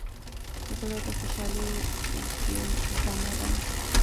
زړه د خوشحالۍ زیمزمه ده.